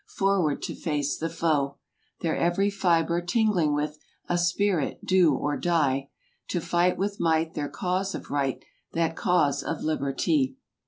Forward to face the foe; Their every fibre tingling with A spirit—"Do or die!" To fight with might their cause of right— That cause of liberty.